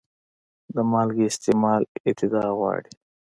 د مالګې استعمال اعتدال غواړي.